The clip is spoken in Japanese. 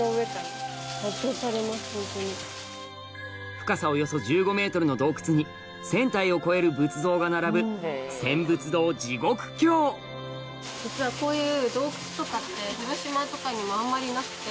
深さおよそ１５ｍの洞窟に１０００体を超える仏像が並ぶ私こういう。